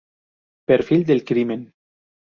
Perfil del Crimen.